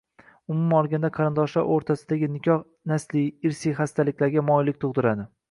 Umuman olganda, qarindoshlar o‘rtasidagi nikohlar nasliy, irsiy xastaliklarga moyillik tug‘diradi.